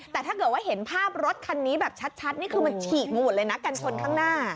แต่ถ้าเกิดว่าเห็นภาพรถคันนี้แบบชัดนี่คือมันฉีกไปหมดเลยนะกันชนข้างหน้า